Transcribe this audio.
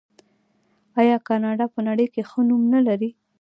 آیا کاناډا په نړۍ کې ښه نوم نلري؟